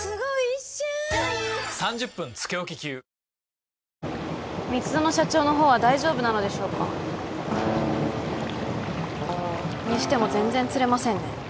新しくなった蜜園社長のほうは大丈夫なのでしょうかにしても全然釣れませんね